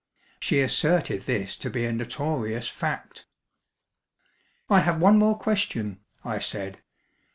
She asserted this to be a notorious fact. "I have one more question," I said.